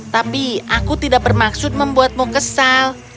tapi aku tidak bermaksud membuatmu kesal